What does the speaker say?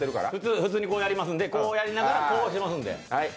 普通にこうやりますんで、こうやりながら、こうしますんで。